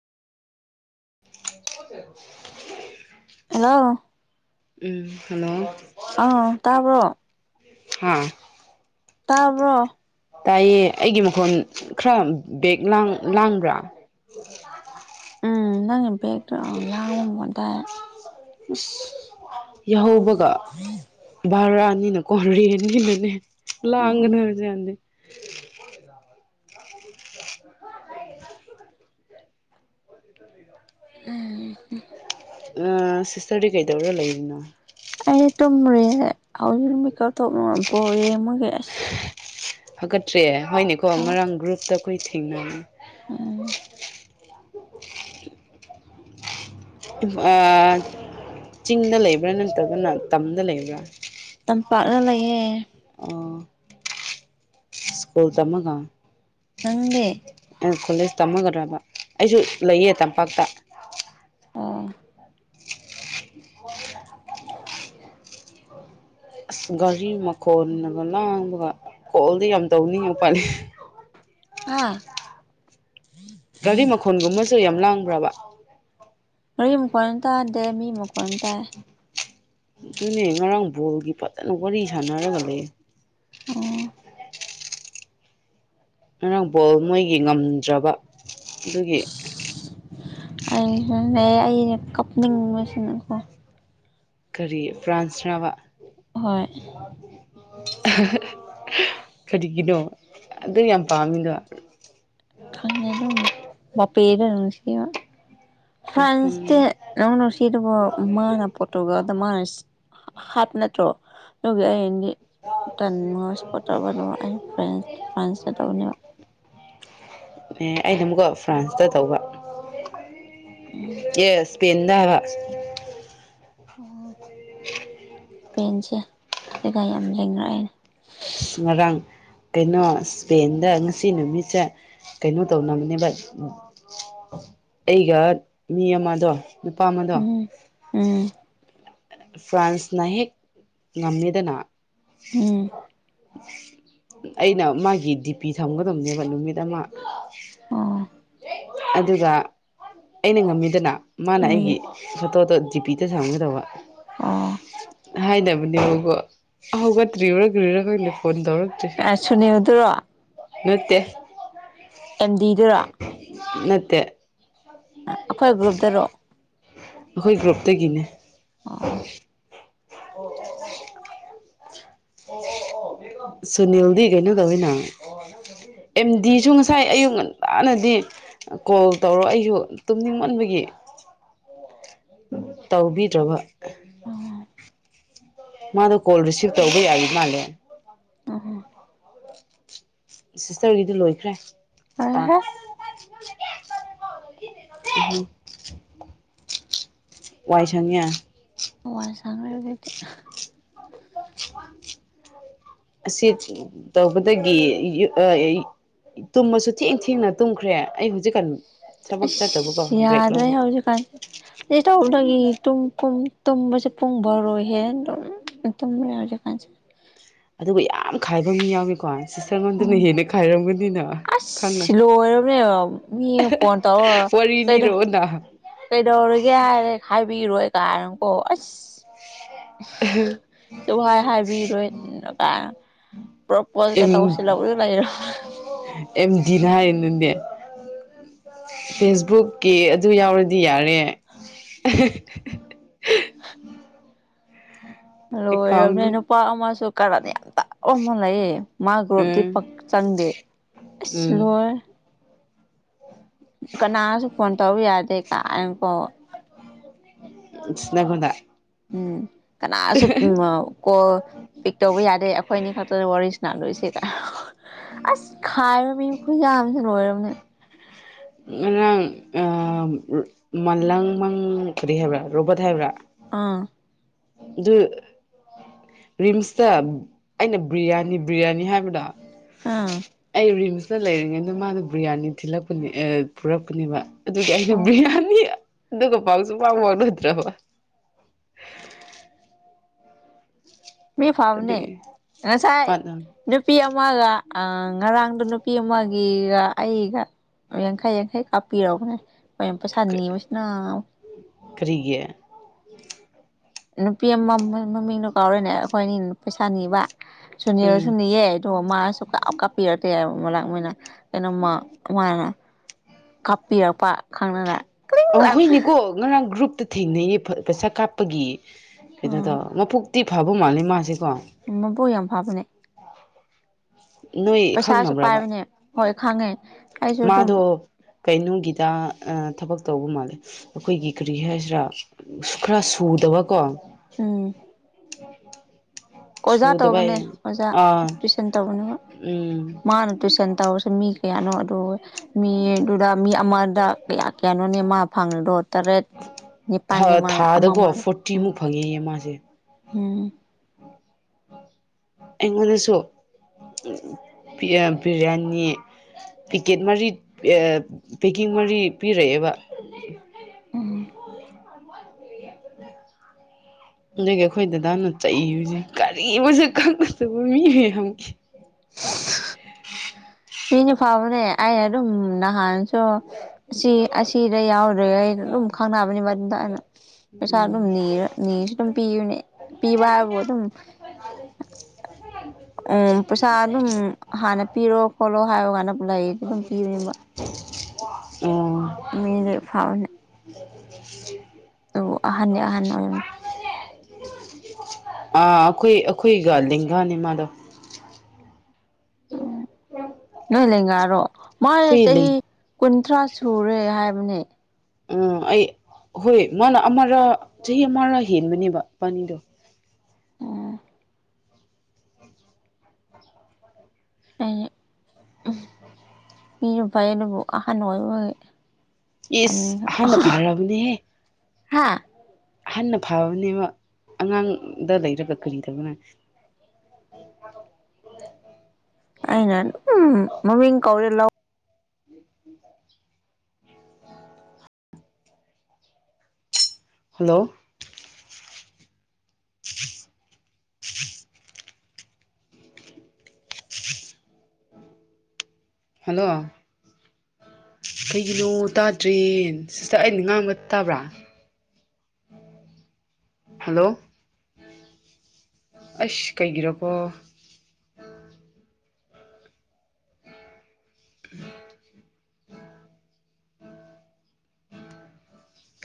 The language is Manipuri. [unintelligible] ꯑꯦꯜꯂꯣ ꯎꯝ ꯍꯥꯂꯣ ꯑꯥ ꯇꯥꯕ꯭ꯔꯣ ꯍꯥꯥ ꯇꯥꯕ꯭ꯔꯣ ꯇꯥꯏꯌꯦ ꯑꯩꯒꯤ ꯃꯈꯣꯟ ꯈꯔ ꯕꯦꯛ ꯂꯥꯡ- ꯂꯥꯡꯕ꯭ꯔꯥ ꯎ [inaudible] ꯅꯪ ꯕꯦꯛꯇꯣ ꯂꯥꯡꯃꯥ ꯃꯥꯗꯥꯏ ꯏꯤꯁ ꯚꯥꯔꯥ ꯅꯤꯅꯀꯣ ꯔꯦꯟꯅꯤꯅꯅꯦ ꯎꯝ ꯂꯥꯡꯉꯥꯅ ꯃꯌꯥꯝꯖꯦ ꯑ [unintelligible] ꯎꯝ ꯍꯨꯝ ꯎꯡ ꯁꯤꯁꯇ꯭ꯔꯗꯤ ꯀꯩꯗꯧꯔꯥ ꯂꯩꯔꯤꯅꯣ ꯑꯩꯗꯤ ꯇꯨꯝꯃꯨꯔꯦ ꯍꯧꯖꯤꯛ ꯃꯤꯀꯞ ꯊꯣꯛꯂꯛ ꯕꯣꯜ ꯌꯦꯡꯕꯒꯤ ꯑꯁ ꯐꯥꯒꯠꯇ꯭ꯔꯦ ꯍꯣꯏꯅꯦꯀꯣ ꯉꯔꯥꯡꯀꯣ ꯒ꯭ꯔꯨꯞꯇ ꯑꯩꯈꯣꯏ ꯊꯦꯡꯅꯅꯤ ꯎ ꯆꯤꯡꯗ ꯂꯩꯕ꯭ꯔꯥ ꯅꯠꯇ꯭ꯔꯒꯅ ꯇꯝꯗ ꯂꯩꯕ꯭ꯔꯥ ꯇꯝꯄꯥꯛꯅ ꯂꯩꯌꯦꯦ ꯁ ꯆꯃꯒ ꯅꯪꯗꯦ ꯀꯣꯂꯦꯖ ꯇꯝꯃꯥꯒꯗ꯭ꯔꯥꯕ ꯑꯩꯁꯨ ꯂꯩꯌꯦ ꯇꯝꯄꯥꯛꯇ ꯑꯣꯥ ꯑꯁ ꯒꯥꯔꯤ ꯃꯈꯣꯜꯅꯒ ꯂꯥꯡꯕꯒ ꯀꯣꯜꯗꯤ ꯌꯥꯝ ꯇꯧꯅꯤꯡꯉꯤ ꯎꯄꯥꯏ ꯑꯥ ꯒꯥꯔꯤ ꯃꯈꯣꯟꯒꯨꯝꯕꯁꯨ ꯌꯥꯝ ꯂꯥꯡꯕ꯭ꯔꯥꯕ ꯑꯩꯏꯨꯛꯀꯣꯏꯅ ꯇꯥꯗꯦ ꯃꯤ ꯑꯃꯨꯛ ꯀꯣꯏꯅ ꯇꯥꯏ ꯑꯗꯨꯅꯦ ꯉꯔꯥꯡ ꯕꯣꯜꯒꯤ ꯐꯖꯅ ꯋꯥꯔꯤ ꯁꯥꯟꯅꯔꯒ ꯂꯩ ꯑꯣ ꯉꯔꯥꯡ ꯕꯣꯜ ꯃꯣꯏꯒꯤ ꯉꯝꯗ꯭ꯔꯕ ꯑꯗꯨꯒꯤ ꯑꯩ ꯑꯅꯦ ꯀꯞꯅꯤꯡꯕꯁꯤꯅꯀꯣ ꯀꯔꯤ ꯐ꯭ꯔꯥꯟꯁꯅꯕ ꯍꯣꯏ ꯀꯔꯤꯒꯤꯅꯣ ꯑꯗꯨ ꯌꯥꯝ ꯄꯥꯝꯃꯤꯅꯣ ꯈꯪꯉꯦ ꯑꯗꯨꯝ ꯄꯦꯗ ꯅꯨꯡꯁꯤꯕ ꯎꯝ ꯐ꯭ꯔꯥꯟꯁꯇ ꯑꯅꯣ ꯁꯤꯗꯕꯨꯣ ꯃꯥꯅ ꯄꯣꯇꯣꯛꯒꯗ ꯃꯥꯅ ꯍꯥꯞ ꯅꯠꯇ꯭ꯔꯣꯒ ꯌꯦꯗꯤ ꯇ ꯏꯁꯄ ꯇ ꯑꯩ ꯐ꯭ꯔ ꯐ꯭ꯔꯥꯟꯁ ꯇꯧꯕꯅꯦꯕ ꯑꯦ ꯑꯩꯅ ꯑꯃꯨꯛꯀꯣ ꯐ꯭ꯔꯥꯟꯁꯇ ꯇꯧꯕ ꯎꯝ ꯑꯦ ꯁꯄꯟꯗ ꯍꯥꯏꯕ ꯑꯣ [unintelligible] ꯭ꯔꯦꯟꯁꯦ ꯀꯩꯀꯥ ꯌꯥꯝ ꯂꯦꯡꯅꯔꯛꯑꯦꯅꯦ ꯑ ꯉꯔꯥꯡ ꯀꯩꯅꯣ ꯏꯁꯄꯦꯟꯗ ꯉꯁꯤ ꯅꯨꯃꯤꯠꯁꯦ ꯀꯩꯅꯣ ꯇꯧꯅꯕꯅꯦ ꯚ ꯑꯩꯒ ꯃꯤ ꯑꯃꯗꯣ ꯅꯨꯄꯥ ꯑꯃꯗꯣ ꯎꯝ ꯎꯝ ꯐ꯭ꯔꯥꯟꯁꯅ ꯍꯦꯛ ꯉꯝꯃꯤꯗꯅ ꯎꯝ ꯑꯩꯅ ꯃꯥꯒꯤ ꯗꯤ ꯄꯤ ꯊꯝꯒꯗꯕꯅꯦꯕ ꯅꯨꯃꯤꯠ ꯑꯃ ꯑꯣ ꯑꯗꯨꯒ ꯑꯩꯅ ꯉꯝꯃꯤꯗꯅ ꯃꯥꯅ ꯎꯝ ꯑꯩꯒꯤ ꯐꯣꯇꯣꯗꯣ ꯖꯤ ꯄꯄꯤꯗ ꯁꯝꯒꯗꯕ ꯑꯣ ꯍꯥꯏꯅꯕꯅꯦꯔꯒꯣ ꯍꯧꯒꯠꯇ꯭ꯔꯤꯨꯔ꯭ꯨꯔꯈꯂ ꯐꯣꯟ ꯇꯧꯔꯛꯇ꯭ꯔꯤ ꯁꯨꯅꯤꯌꯗꯨꯔꯣ ꯅꯠꯇꯦ ꯑꯦꯝꯗꯤꯗꯔꯥ ꯅꯠꯇꯦ ꯑꯩꯈꯣꯏ ꯒ꯭ꯔꯨꯞꯇꯔꯣꯑꯣ ꯑꯩꯈꯣꯏ ꯒ꯭ꯔꯨꯞꯇꯒꯤꯅꯦ ꯑꯥ ꯍ ꯇ ꯁꯅꯤꯜꯗꯤ ꯀꯩꯅꯩꯅꯣ ꯀꯋꯅ ꯑꯦꯝ ꯗꯤꯁꯨ ꯉꯁꯥꯏ ꯑꯌꯨꯛ ꯉꯟꯇꯥꯅꯗꯤ ꯀꯣꯜ ꯇꯧꯔꯣ ꯑꯩꯁꯨ ꯇꯨꯝꯅꯤꯡ ꯑꯣꯟꯕꯒꯤ ꯇꯧꯕꯤꯗ꯭ꯔꯕ ꯎꯝ ꯃꯥꯗꯣ ꯀꯣꯜ ꯔꯤꯁꯤꯚ ꯇꯧꯕ ꯌꯥꯏ ꯃꯥꯜꯂꯦ ꯎꯝ ꯁꯤꯁꯇꯔꯒꯤꯗꯤ ꯂꯣꯏꯈ꯭ꯔꯦ ꯂꯣꯏꯔꯦꯍꯦ ꯇꯦ ꯎ ꯋꯥꯏꯁꯡꯉꯦ ꯋꯥꯏ ꯁꯪꯒꯦ ꯍꯧꯖꯤꯛꯇꯤ [inaudible] ꯑꯁꯤ ꯇꯧꯕꯗꯒꯤ ꯇꯨꯝꯃꯁꯨ ꯊꯦꯡ ꯊꯦꯡꯅ ꯇꯨꯝꯈ꯭ꯔꯦ ꯑꯩ ꯍꯧꯖꯤꯛꯀꯥꯟ ꯊꯕꯛ ꯆꯠꯇꯕꯀꯣ ꯕ꯭ꯔꯦꯛ ꯌꯥꯗ꯭ꯔ ꯂꯧꯕ ꯍꯧꯁꯨ ꯀꯥꯟꯁꯤꯦ ꯇꯧꯗꯒꯤ ꯇꯨꯝꯕꯁꯦ ꯄꯨꯡ ꯕꯔꯣꯏꯍꯦ ꯑꯗꯨꯝ ꯃꯔ ꯀꯖ ꯑꯗꯨꯒ ꯌꯥꯝ ꯈꯥꯏꯕ ꯃꯤ ꯌꯥꯎꯏꯀꯣ ꯁꯤꯁꯇꯔ ꯉꯗꯨꯅ ꯍꯦꯟꯅ ꯈꯥꯏꯔꯝꯒꯅꯤꯅ ꯈꯪꯉꯦ ꯑꯁ ꯂꯣꯏꯔꯕꯅꯦꯕ ꯃꯤ ꯐꯣꯟ ꯇꯧꯔ ꯀꯩꯗꯣ ꯗ ꯀꯩꯗꯧꯔꯒꯦ ꯍꯥꯏꯔ ꯍꯥꯏꯕꯤꯔꯣꯏ ꯀꯥꯏꯅꯅꯨꯀꯣ ꯑꯁ ꯎꯝ ꯚꯥꯏ ꯍꯥꯏꯕꯤꯔꯣꯏ ꯄ꯭ꯔꯣꯄꯣꯁ ꯀꯦ ꯑꯦꯝ ꯇꯧꯁꯤꯂꯕꯨ ꯂꯩꯔꯣ ꯑꯦꯝ ꯅꯥꯅꯦ ꯐꯦꯁꯕꯨꯛꯀꯤ ꯑꯗꯨ ꯌꯥꯎꯔꯗꯤ ꯌꯥꯔꯦ ꯂꯣꯏꯔꯕꯅꯦ ꯑꯦꯀꯥꯎꯟꯗ ꯅꯨꯄꯥ ꯑꯃꯁꯨ ꯀꯔꯟ ꯌꯥꯝ ꯇꯥꯕꯥ ꯑꯃ ꯂꯩꯌꯦ ꯃꯥꯁꯨ ꯎꯝ ꯗꯤꯄꯥꯛ ꯆꯪꯗꯦ ꯑꯁ ꯎꯝ ꯂꯣꯏꯔꯦ꯫ ꯀꯅꯥꯁꯨ ꯐꯣꯟ ꯇꯧ ꯌꯥꯗꯦ ꯀꯥꯏꯅꯀꯣ ꯎꯝ ꯅꯪꯉꯣꯟꯗꯥ ꯎꯝ ꯀꯅꯥꯁꯨ ꯎ ꯀꯣꯜ ꯄꯤꯛ ꯇꯧꯕ ꯌꯥꯗꯦ ꯑꯩꯈꯣꯏ ꯑꯅꯤ ꯈꯛꯇꯗ ꯋꯥꯔꯤ ꯂꯣꯏꯁꯦ ꯀꯥꯏ ꯑꯁ ꯈꯥꯏꯕꯃꯤ ꯈꯨꯌꯝꯁꯦ ꯂꯣꯏꯔꯕꯅꯦ ꯉꯔꯥꯡ ꯃꯂꯥꯡ ꯃꯪ ꯀꯔꯤ ꯍꯥꯏꯕ꯭ꯔꯥ ꯔꯣꯕꯠ ꯍꯥꯏꯕ꯭ꯔꯥ ꯑꯥ [inaudible] ꯗꯨ ꯔꯤꯝꯁꯇ ꯑꯩꯅ ꯕꯤꯔꯌꯥꯅꯤ ꯕꯤꯔꯌꯥꯅꯤ ꯍꯥꯏꯕꯗꯣ ꯑꯥ ꯑꯩ ꯔꯤꯝꯁꯅ ꯂꯩꯔꯤꯉꯩꯗ ꯃꯥꯅ ꯕꯤ꯭ꯔꯌꯥꯅꯤ ꯊꯤꯜꯂꯛꯄꯅꯦ ꯄꯨꯔꯛꯄꯅꯦꯕ ꯑꯗꯨꯗꯤ ꯑꯩꯅ ꯑꯣ ꯕꯤ꯭ꯔꯌꯥꯅꯤ ꯑꯗꯨꯒ ꯄꯥꯎꯁꯨ ꯄꯥꯎ ꯐꯥꯎꯔꯨꯗ꯭ꯔꯕ ꯃꯤ ꯐꯥꯕꯅꯦ ꯑꯗꯨꯒꯤ ꯉꯁꯥꯏ ꯃꯥꯅ ꯅꯨꯄꯤ ꯑꯃꯒ ꯑ ꯉꯔꯥꯡꯗ ꯅꯨꯄꯤ ꯑꯃꯒꯤꯒ ꯑꯩꯒ ꯌꯥꯡꯈꯩ ꯌꯥꯡꯈꯩ ꯀꯥꯞꯄꯤꯔꯛꯎꯅꯦ ꯍꯣꯏ ꯄꯩꯁꯥꯅꯤꯕꯁꯤꯅ ꯀꯔꯤꯒꯤ ꯅꯨꯄꯤ ꯑꯃ ꯃꯃꯤꯡꯗꯣ ꯀꯥꯎꯔꯅꯦ ꯑꯩꯈꯣꯏꯅꯤꯅꯥ ꯄꯩꯁꯥ ꯅꯤꯕ ꯁꯨꯅꯤꯔ ꯎꯝ ꯁꯨꯅꯤꯌꯦ ꯑꯗꯣ ꯃꯥꯅꯁꯨ ꯀꯥꯞ ꯀꯥꯞꯄꯤꯔꯛꯇꯦ ꯃꯂꯛ ꯃꯣꯏꯅ ꯀꯩꯅꯣꯝꯃ ꯃꯥꯅ ꯀꯥꯞꯄꯤꯔꯛꯄ ꯈꯪꯗꯅ ꯀ꯭ꯔꯤꯡ ꯑꯣ ꯂꯥꯛꯄ ꯍꯣꯏꯅꯦꯀꯣ ꯉꯔꯥꯡ ꯒ꯭ꯔꯨꯞꯇ ꯊꯦꯡꯅꯩꯌꯦ ꯄꯩꯁꯥ ꯀꯥꯞꯄꯒꯤ ꯀꯩꯅꯣꯗꯣ ꯎꯝ ꯃꯕꯨꯛ ꯇꯤ ꯐꯕ ꯃꯥꯜꯂꯦ ꯃꯥꯁꯤꯀꯣ ꯎꯝ ꯃꯕꯨꯛ ꯌꯥꯝ ꯐꯥꯕꯅꯦ ꯅꯣꯏ ꯄꯩꯁꯥꯁꯨ ꯈꯪꯅꯕ꯭ꯔꯕ ꯄꯥꯏꯕꯅꯦ ꯍꯣꯏ ꯈꯪꯉꯦ ꯑꯩꯁꯨ ꯑꯗꯨꯝ ꯃꯥꯗꯣ ꯀꯩꯅꯣꯒꯤꯗ ꯊꯕꯛ ꯇꯧꯕ ꯃꯥꯜꯂꯦ ꯑꯩꯈꯣꯏꯒꯤ ꯀꯔꯤ ꯍꯥꯏꯁꯤꯔꯥ ꯈꯔ ꯁꯨꯗꯕꯀꯣ ꯎꯝ ꯑꯣꯖꯥ ꯇꯧꯕꯅꯦ ꯁꯨꯗꯕꯩ ꯑꯣꯖꯥ ꯑꯥ ꯇꯨꯏꯁꯟ ꯇꯧꯕꯅꯦꯕ ꯎꯝ ꯃꯥꯅ ꯇꯨꯏꯁꯟ ꯇꯧꯔꯁꯨ ꯃꯤ ꯀꯌꯥꯅꯣ ꯑꯗꯨ ꯃꯤꯗꯨꯗ ꯃꯤ ꯑꯃꯗ ꯀꯌꯥ ꯀꯌꯥꯅꯣꯅꯦ ꯃꯥ ꯐꯪꯂꯤꯗꯣ ꯇꯔꯦꯠ ꯊꯥ ꯅꯤꯄꯥꯜꯅꯤ ꯃꯥꯂꯥ ꯑꯃ ꯊꯥꯗꯀꯣ ꯃꯥꯂꯥ ꯎꯝ ꯐꯣꯔꯇꯤꯃꯨꯛ ꯎꯝ ꯑꯦꯉꯣꯟꯟꯅꯁꯨꯣ ꯕꯤꯔꯌꯥꯅꯤ ꯄꯦꯛꯀꯦꯠ ꯃꯔꯤ ꯄꯦꯛꯀꯤꯡ ꯃꯔꯤ ꯄꯤꯔꯛꯑꯦꯕ ꯎꯝ [inaudible] ꯑꯗꯒꯤ ꯑꯩꯈꯣꯏ ꯗꯗꯥꯅ ꯆꯩꯁꯦ ꯀꯔꯤ ꯑꯃꯁꯁꯨ ꯈꯪꯅꯗꯕ ꯃꯤꯒꯦ ꯃꯤꯅ ꯐꯕꯅꯦ ꯑꯩꯅ ꯑꯗꯨꯝ ꯅꯍꯥꯟꯁꯨ ꯁꯣ ꯑꯁꯤ ꯑꯁꯤꯗ ꯌꯥꯎꯗ꯭ꯔꯦ ꯑꯩ ꯑꯗꯨꯝ ꯈꯪꯅꯕꯅꯤ ꯃ ꯇ ꯑꯅ ꯄꯩꯁꯥ ꯎꯝ ꯑꯗꯨꯝ ꯅꯤꯔ ꯅꯤꯁꯨ ꯑꯗꯨꯝ ꯄꯤꯕꯅꯦ ꯄꯤꯕ ꯍꯥꯏꯕꯕꯨ ꯑꯗꯨꯝ ꯍꯣꯏ ꯎꯝ ꯄꯩꯁꯥ ꯑꯗꯨꯝ ꯍꯥꯟꯅ ꯄꯤꯔꯣ ꯈꯣꯠꯂꯣ ꯍꯥꯏꯕ ꯀꯥꯟꯗ ꯂꯥꯏꯔꯤꯛꯇ ꯑꯗꯨꯝ ꯄꯤꯕꯅꯦꯕ ꯎꯝ ꯃꯤ ꯗꯤ ꯐꯥꯕꯅꯦ [inaudible] ꯑꯍꯟꯗꯤ ꯑꯍꯟ ꯑꯣꯏꯕꯅꯦ ꯑꯥ ꯑꯩꯈꯣꯏ ꯑꯩꯈꯣꯏꯒ ꯅꯤꯡꯒꯥꯅꯤꯃꯥꯗ ꯎꯝ ꯂꯦꯂꯒꯥꯔꯣ ꯃꯣꯏ ꯑꯩꯈꯣꯏ ꯂꯩ ꯆꯍꯤ ꯀꯨꯟꯊ꯭ꯔꯥ ꯁꯨꯔꯦ ꯍꯥꯏꯕꯅꯦ ꯎꯝ ꯑꯩ ꯍꯣꯏ ꯃꯥꯅ ꯑꯃꯔ ꯆꯍꯤ ꯑꯃꯔꯥ ꯍꯦꯟꯕꯅꯦꯕ ꯄꯕꯥꯥꯅꯤꯗꯣ ꯎꯝ ꯑ ꯃꯤꯔꯨꯞꯥꯏ ꯑꯗꯨꯕꯨꯣꯛ ꯑꯍꯥꯟ ꯅꯅꯨꯡꯉꯥꯏ ꯑꯣꯏ ꯏꯁ ꯑꯍꯥꯟꯥꯟꯕꯅ ꯐꯥꯔꯕꯅꯦꯍꯦ ꯍꯥꯥ ꯑꯍꯟꯅ ꯐꯕꯅꯦꯕ ꯑꯉꯥꯡꯗ ꯂꯩꯔꯒ ꯀꯔꯤꯗꯧꯕꯅꯣ ꯑꯅ ꯎꯝ ꯃꯃꯤ ꯀꯧꯔꯂ ꯍꯜꯂꯣ [inaudible] ꯍꯜꯂꯣ ꯀꯩꯒꯤꯅꯣ ꯇꯥꯗ꯭ꯔꯦ ꯁꯤꯁꯇ ꯑꯩꯅ ꯉꯥꯡꯕ ꯇꯥꯕ꯭ꯔꯥ ꯍꯜꯂꯣ ꯑꯁ ꯀꯩꯒꯤꯔꯕꯣ ꯎꯝ